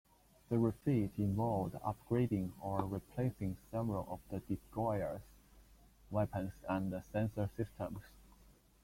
The refit involved upgrading or replacing several of the destroyer's weapons and sensor systems.